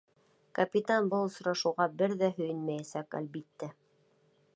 Капитан был осрашыуға бер ҙә һөйөнмәйәсәк, әлбиттә.